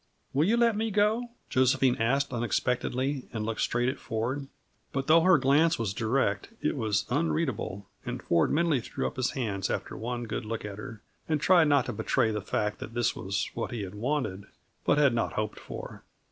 "Will you let me go?" Josephine asked unexpectedly, and looked straight at Ford. But though her glance was direct, it was unreadable, and Ford mentally threw up his hands after one good look at her, and tried not to betray the fact that this was what he had wanted, but had not hoped for.